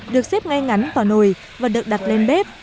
được xếp ngay ngắn vào nồi và được đặt lên bếp